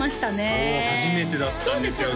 そう初めてだったんですよ